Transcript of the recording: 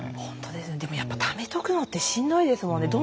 でもためとくのってしんどいですよね。